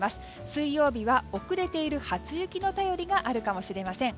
水曜日は遅れている初雪の便りがあるかもしれません。